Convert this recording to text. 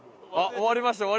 終わりました。